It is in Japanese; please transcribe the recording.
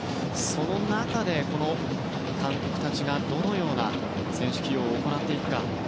その中で、監督たちがどのような選手起用を行っていくか。